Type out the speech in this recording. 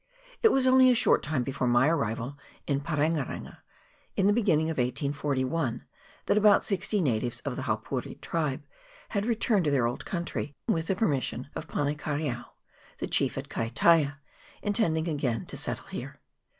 It was only a short time before my arrival in Parenga renga, in the beginning of 1841, that about sixty natives of the CHAP, xii.] THE LAND'S END. 209 Haupouri tribe had returned to their old country with the permission of Pane kareao, the chief at Kaitaia, intending again to settle here.